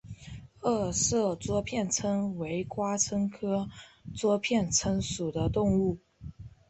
二色桌片参为瓜参科桌片参属的动物。